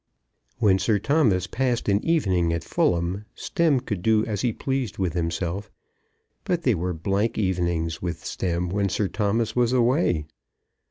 When Sir Thomas passed an evening at Fulham, Stemm could do as he pleased with himself; but they were blank evenings with Stemm when Sir Thomas was away.